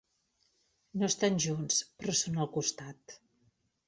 No estan junts, però són al costat.